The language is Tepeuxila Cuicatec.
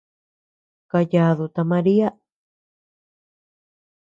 Kayadu ta Maria.